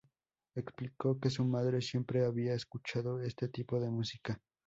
Explicó que su madre siempre había escuchado ese tipo de música.